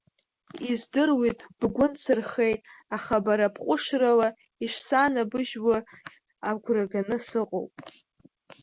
Издыруеит, бгәы нсырхеит, аха бара бҟәышрала ишсанабыжьуагь агәра ганы сыҟоуп.